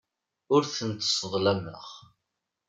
Ur tent-sseḍlameɣ.